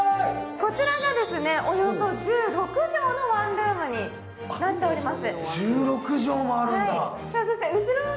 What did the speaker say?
こちらがおよそ１６畳のワンルームになっております。